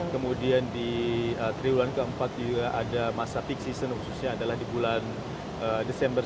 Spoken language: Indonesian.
kemudian di triwulan keempat juga ada masa peak season khususnya adalah di bulan desember